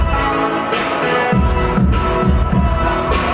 ไม่ต้องถามไม่ต้องถาม